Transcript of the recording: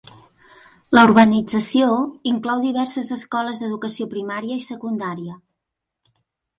La urbanització inclou diverses escoles d'educació primària i secundària.